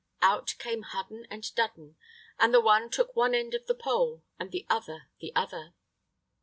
Out came Hudden and Dudden, and the one took one end of the pole, and the other the other.